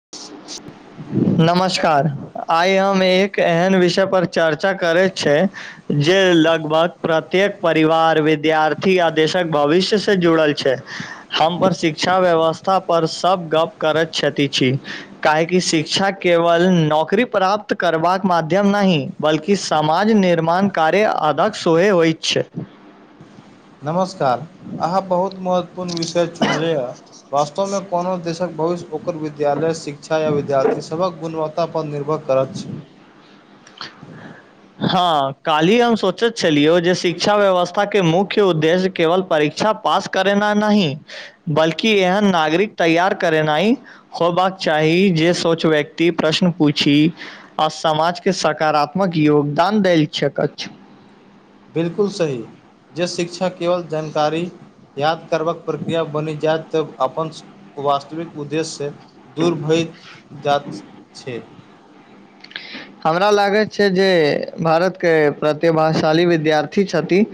[inaudible] नमस्कार आइ हम एक एहन विषय पर चर्चा करे छै जे लगभग प्रत्येक परिवार विद्यार्थी आदेशक भविष्य से जुड़ल छै हम पर शिक्षा व्यवस्था पर सब गप करैत क्षती छी काह की शिक्षा केवल नौकरी प्रापाप्त करबाक मध्यम नहि बल्कि समाज निर्माण कार्य अधिक सेहो होइत छै नमस्कार अहाँ बहुत महत्वपूर्ण विषय चुनलियै हँ वास्तव मे कोनो देशक भविष्य ओकर विद्यालय शिक्षा या विद्यार्थी सभक गुणवत्तापर निर्भर करत छै [inaudible] हँ काल्हि हम सोचैत छलियै जे शिक्षा व्यवस्था के मुख्य उद्देश्य केवल परीक्षा पास करेना नहि बल्कि एहन नागरिक तैयार करेना ही होबाक चाही जे सोच व्यक्ति प्रश्न पूछि आ समाज के के सकारात्मक योगदान देल छैक अछि बिलकुल सही जे शिक्षा केवल जानकारी याद करबाक प्रक्रिया बनि जाय तऽ अपन वास्तविक उद्देश्य से दूर भएत्त जात छै [inaudible] हमरा लागैत छै जे भारत के प्रतिभाशाली विद्यार्थी छथि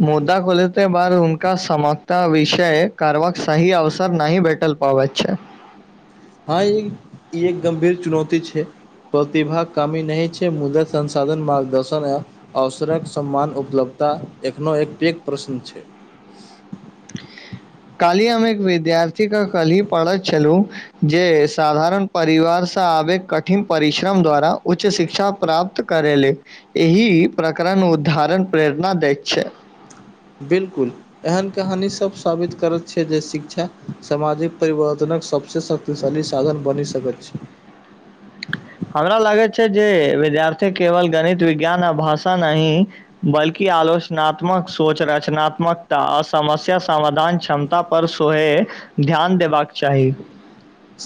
मुद्दा खोले बाद उनका समगता विषय कारबाक सही अवसर नहि भैटल पाबै छै हँ ई एक गम्भीर चुनौती छै प्रतिभा कामीह नाहि छै मुदा संसाधन मार्गदर्शन अवसरक समान उपलब्धता एखनो एक पैघ प्रश्न छै कल्हि हम एक विद्यार्थीक कल्हि पढ़ैत छलहुँ जे साधारण परिवारसँ आबे कठिन परिश्रम द्वारा उच्च शिक्षा प्राप्त करेेले एहि प्रकरण उदाहरण प्रेरणा दैत छै बिलकुल एहन कहानी सब साबित करैत छै जे शिक्षा सामाजिक परिवर्तनक सब से शक्तिशाली साधन बनी सकैत छै हमरा लागैत छै जे विद्यार्थी केवल गणित विज्ञान आ भाषा नहिं बल्कि आलोचनात्मक सोच रचनात्मकता आ समस्या समाधान क्षमता पर सोहे ध्यान देबाक चाही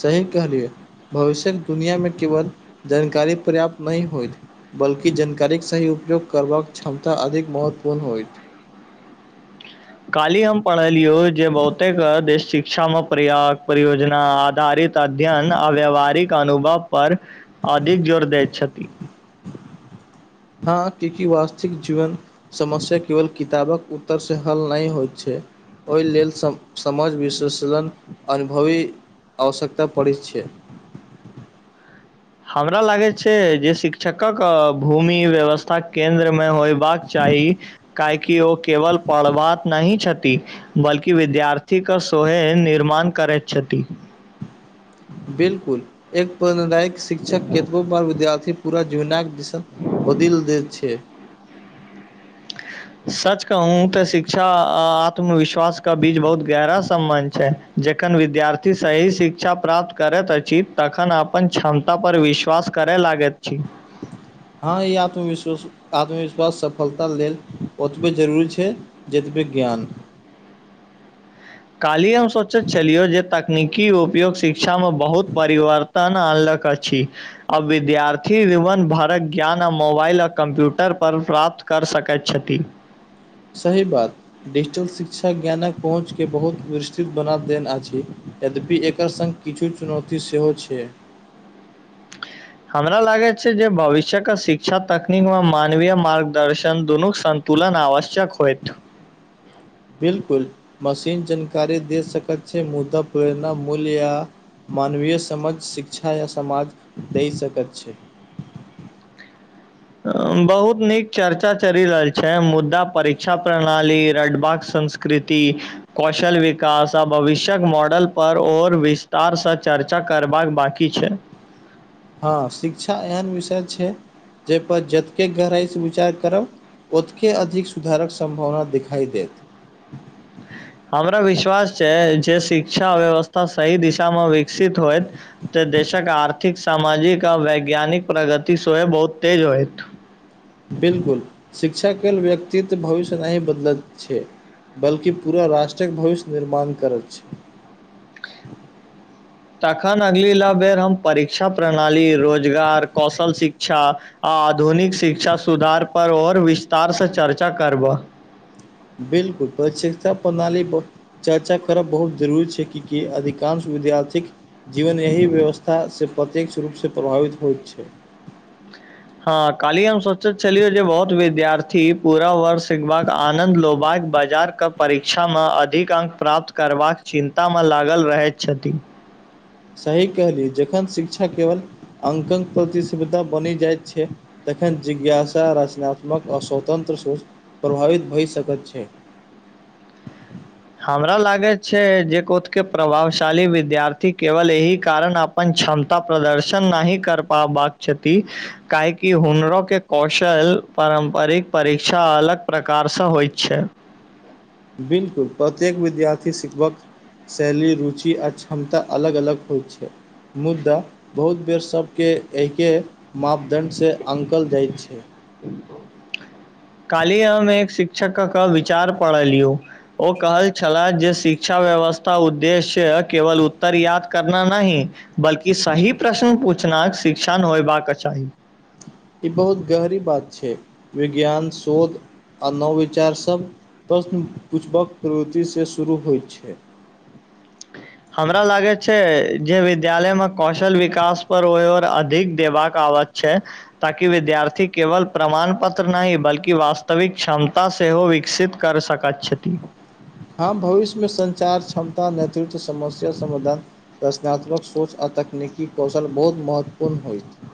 सही कहलियै भविष्यक दुनियामे केवल जानकारी पर्याप्त नहि होइत बल्कि जानकारीेक सही उपयोग करबाक क्षमता अधिक महत्वपूर्ण होइत काल्हि हम पढ़लियो जे बहुतेक देश शिक्षा मे पर्याग परियोजना आधारित अध्ययन आ व्यवहारिक अनुभव पर अधिक जोर दैत छथि हँ कि वास्तिक जीवन समस्या केवल किताबक उत्तर से हल नहि होइत छै ओहि लेल सभ समझ विशेषगण अनुभवी आवश्यकता पड़ैत छै हमरा लागैत छै जे शिक्षकक भूमि व्यवस्था केन्द्रमे होयबाक चाही काहेकि ओ केवल पढ़वात नहि छथि बल्कि विद्यार्थीके सोहे निर्माण करैत छथि बिलकुल एक प्रेरणादायक शिक्षक केतबो बार विद्यार्थी पूरा जीवनाइ के दिशा बदल दैत छै सच कहूँ तऽ शिक्षा आ आत्मविश्वास स्वास्थ के बीच बहुत गहरा सम्बन्ध छै जखन विद्यार्थी सही शिक्षा प्राप्त करैत अछि तखन अपन क्षमता पर विश्वास करै लागैत छी हँ ई आत्मविश्वास आत्मविश्वास सफलता लेल ओतबे जरूरी छै जतबे ज्ञान काल्हि हम सोचैत छलियौ जे तकनीकी उपयोग शिक्षामे बहुत परिवर तन अनलक अछि आ विद्यार्थी जीवन भरक ज्ञान आ मोबाइल आ कंप्यूटर पर प्राप्त कर सकैत छथि सही बात डिजिटल शिक्षा ज्ञानक पहुँचके बहुत विस्तृत बना देन अछि यद्यपि एकर संग किछु चुनौती सेहो छै हमरा लागैत छै जे भविष्यक शिक्षा तकनीकमे मानवीय मार्गदर्शन दुनूक सं तुलन आवश्यक होएत बिलकुल मशीन जानकारी दे सकैत छै मुद्दा प्रेरणा मूल्य या मानवीय समझ शिक्षा या समाज दै सकैत छै बहुत नीक चर्चा चलि रहल छै मुद्दा परीक्षा प्रणाली रटबाक संस कृति कौशल विकास आ भविष्यक मॉडलपर और विस्तारसँ चर्चा करबाक बाकी छै हँ शिक्षा एहन विषय छै जाहिपर जतके गहराइसँ विचार करब ओतके अधिक सुधारक सम्भावना दिखाइ देत हमरा विश्वास छै जे शिक्षा व्यवस्था सही दिशामे विकसित होइत तऽ देशक आर्थिक सामाजिक आ वैज्ञानिक प्रगति सेहो बहुत तेज होयत बिलकुल शिक्षा केल व्यक्तित्व भविष्य नहि बदलैत छै बल्कि पूरा राष्ट्रक भविष्य निर्माण करत छै तखन अगिला बेर हम परीक्षा प्रणाली रोजगार कौशल शिक्षा आ आधुनिक शिक्षा सुधार पर और विस्तार स चर्चा करबह बिलकुल पर शिक्षा प्रणाली पर चर्चा करब बहुत जरूरी छै कि कि अधिकांश विद्यार्थीक जीवन एहि व्यवस्थासँ प्रत्यक्ष रूपसँ प्रभावित होइत छै [unintelligible] हँ काल्हि हम सोचे छलियै जे बहुत विद्यार्थी पूरा वर्ष सिखबाक आनंद लेबाक बाजार के परीक्षामे अधिक अंक प्राप्त करबाक चिन्तामे लागल रहैत छथि सही कहलि जखन शिक्षा केवल अंकक प्रतिस्पर्धा बनि जाइ छै तखन जिज्ञासा रचनात्मक आ स्वतन्त्र सोच प्रभावित भ सकैत छै हमरा लागैत छै जे कोतके प्रभावशाली विद्यार्थी केवल एहि कारण अपन क्षमता प्रदर्शन नहि कर पबाक छथि काहेकी हुनरो के कौशल पारम्परिक परीक्षा अलग प्रकारसँ होई छै बिल्कुल प्रत्येक विद्यार्थी शिखबक शैली रुचि आ क्षमता अलग अलग होय छै मुद्दा बहुत बेर सभके एहिके मापदण्डसँ अंकल जाइ छै काली हम एक शिक्षक के विचार पढ़लियौ ओ कहल छलाह जे शिक्षा व्यवस्था उद्देश्य केवल उत्तर याद करना नही बल्कि सही प्रश्न पूछनाक शिक्षण होयबाक चाही ई बहुत गहरी बात छै विज्ञान शोध आ नवविचार सब प्रश्न पूछबाक प्रवृति से शुरू होई छै हमरा लागे छै जे विद्यालयमे कौशल विकास पर ओहि ओर अधिक देबाक आवैत छै ताकि विद्यार्थी केवल प्रमाण पत्र नहि बल्कि वास्तविक क्षमता सेहो विकसित कर सकत छथि हँ भविष्यमे संचार क्षमता नेतृत्व समस्या समाधान रचनात्मक सोच आ तकनीकी कौशल बहुत महत्वपूर्ण होयत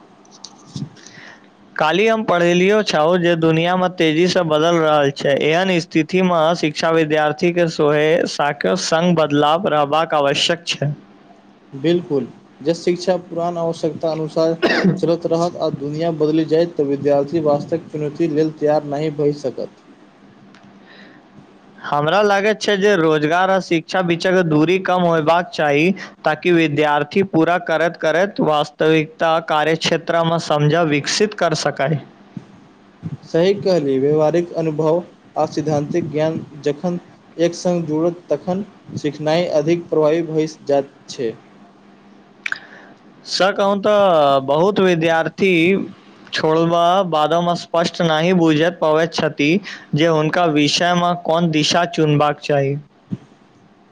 काल्हि हम पढ़ेलियो छओ जे दुनिया में तेजी से बदल रहल छै एहन स्थिति अथिमे शिक्षा विद्यार्थीके सोहे साक संग बदलाव रहबाक आवश्यक छै बिल्कुल जस शिक्षा पुरान आवश्यकता अनुसार चलत रहत आ दुनिया बदलि जाय त विद्यार्थी वास्तक चुनौती लेल तैयार नहि भय सकत हमरा लागैत छै जे रोजगार आ शिक्षा बीच के दूरी कम होयबाक चाही ताकि विद्यार्थी पूरा करैत करैत वास्तविकता कार्य क्षेत्रमे समझा विकसित कर सकए सही कहली व्यावहारिक अनुभव आ सिद्धांतिक ज्ञान जखन एक संग जुड़त तखन सिखनाई अधिक प्रभावी भ जाइत छै स कहूँ त बहुत विद्यार्थी छोड़ब बादोमे स्पष्ट नहि बूझत पावे छथि जे हुनका विषयमे कोन दिशा चुनबाक चाही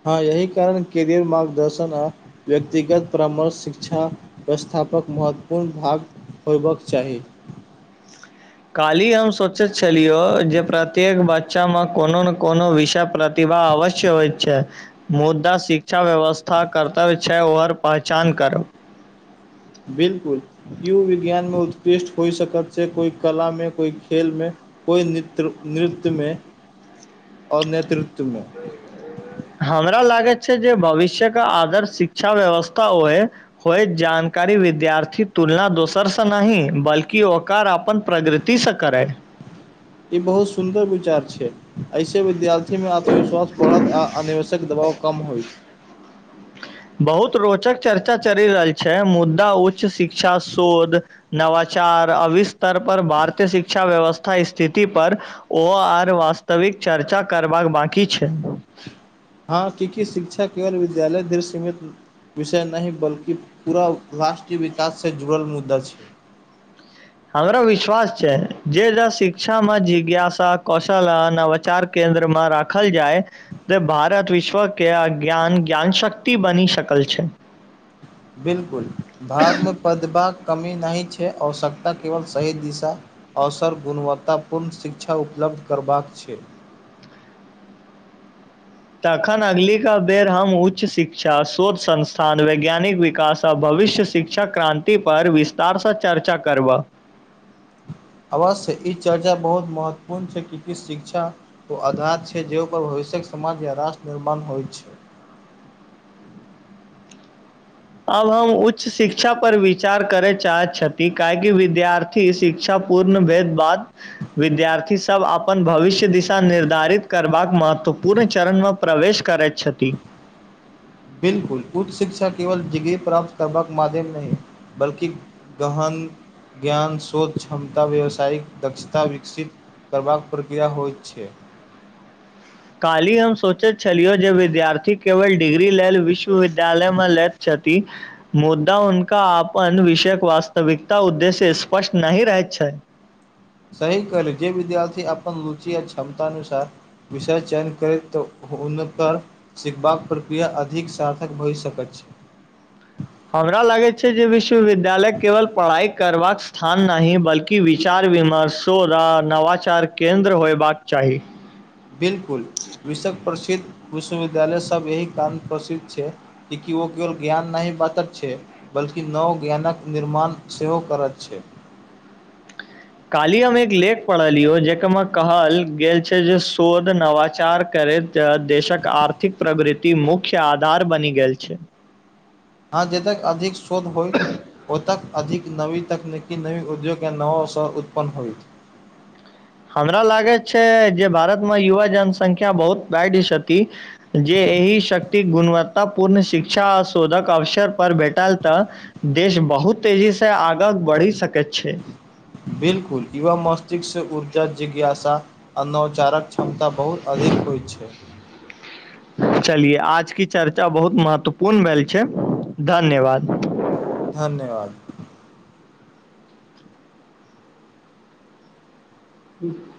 हँ यही कारण करियर मार्गदर्शन आ व्यक्तिगत परामर्श शिक्षा व्यवस्थापक महत्वपूर्ण भाग होयबक चाही काली हम सोचे छलियो जे प्रत्येक बच शिक्षा मे कोनो ने कोनो विषय प्रतिभा अवश्य होइ छै मुद्दा शिक्षा व्यवस्था कर्तव्य छै ओर पहचान करब बिल्कुल कियो विज्ञान में बादल उत्कृष्ट होई सकत छै कोइ कला में कोइ खेल में कोई नृत्य नृत्यमे ओर नेतृत्व में हमरा लागैत छै जे भविष्य के आदर शिक्षा व्यवस्था होए होय जानकारी विद्यार्थी तुलना दोसरस नहि बल्की औकार अपन प्रगृतिसँ करै ई बहुत सुन्दर विचार छै ऐसे विद्यार्थी मे आत्मविश्वास बढ़त आ अनावश्यक दबाव कम होयत बहुत रोचक चर्चा चलि रहल छै मुद्दा उच्च शिक्षा शोध नवाचार अविस्तर पर भारतीय शिक्षा व्यवस्था स्थिति पर ओ आर वास्तविक चर्चा करबाक बाकी छै हँ की की शिक्षा केवल विद्यालय धृढ़ सीमित विषय नहि बल्कि पूरा राष्ट्रीय विकाससँ जुड़ल मुद्दा छै हमरा विश्वास छै जे शिक्षा मे जिज्ञासा कौशल नवाचार केन्द्र मे राखल जाइ जे भारत विश्व के अज्ञान ज्ञान शक्ति बनी सकल छै बिलकुल भारतमे प्रतिभा कमी नहि छै आवश्यकता केवल सही दिशा अवसर गुणवत्तापूर्ण शिक्षा उपलब्ध करबाक छै तखन अगिला बेर हम उच्च शिक्षा शोध संस्थान वैज्ञानिक विकास आ भविष्य शि क्षा क्रान्ति पर विस्तारसँ चर्चा करबह अवश्य ई चर्चा बहुत महत्वपूर्ण छै किकि शिक्षा ओ अधात छै जेपर भविष्य्यक समाज या राष्ट्र निर्माण होइत छै अब हम उच्च शिक्षा पर विचार करे चाहे छथि काहेकी विद्यार्थी थी शिक्षा पूर्ण भेद बाद विद्यार्थी सभ अपन भविष्य दिशा निर्धारित करबाक महत्त्वपूर्ण चरणमे प्रवेश करै छथि बिलकुल उच्च शिक्षा केवल डिग्री प्राप्त करबाक माध्यम नहि बल्कि गहन ज्ञान शोच क्षमता व्यावसायिक दक्षता विकसित करबाक प्रक्रिया होइत छै काल्हि हम सोचैत छलियै जे विद्यार्थी केवल डिग्री लेल विश्वविद्यालयमे लैत छथि मुद्दा हुनका आपन विषयक वास्तविकता उद्देश्य स्पष्ट नहि रहैत छै सही कर जे विद्यार्थी अपन लुचि आ क्षमता अनुसार विषय चयन करैत हुनकर सिखबाक प्रक्रिया अधिक सार्थक भए सकैत छै हमरा लागैत छै जे विश्वविद्यालय केवल पढ़ाई करबाक स्थान नहि बल्कि विचार विमर्शो आ नवाचार केन्द्र होयबाक चाही बिलकुल विशक प्रसिद्ध विश्वविद्यालय सब एहि कण प्रसिद्ध छै कि ओ केवल ज्ञान नहि बातक छै बल्कि नव ज्ञानक निर्माण सेहो करत छै काली हम एक लेख पढ़लियौ जकरामे कहल गेल छै जे शोध नवाचार करैत त देशक आर्थिक प्रगृति मुख्य आधार बनि गेल छै हँ जतेक अधिक शोध होय ओतय अधिक नवी तकनीकी नवी उद्योग या नवा अवसर उत्पन्न होय हमरा लागे छै जे भारतमे युवा जनसंख्या बहुत बढ़िती जे एहि शक्ति गुणवतत्ता पूर्ण शिक्षा आ शोधक अवसर पर भेटल तऽ देश बहुत तेजीसँ आगाँ बढ़ि सकैत छै बिलकुल यूवा मस््तिष्क ऊर्जा जिज्ञासा अनौचारक क्षमता बहुत अधिक होइत छै चलियए आज की चर्चा बहुत महत्वपूर्ण भेल छै धन्यवाद धन्यवाद [inaudible]